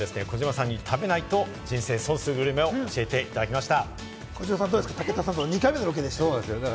今回はですね、児嶋さんに食べないと人生損するグルメを教えていただきました。